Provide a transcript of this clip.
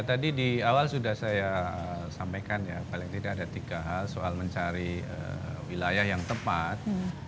tadi di awal sudah saya sampaikan ya paling tidak ada tiga hal soal mencari wilayah yang tepat